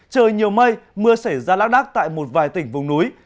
trời nhiều mây mưa sẽ ra lát đác tại một vài tỉnh vùng núi